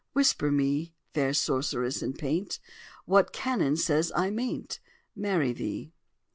Whisper me, Fair Sorceress in paint, What canon says I mayn't Marry thee?"